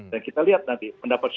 dan kita lihat nanti pendapat siapa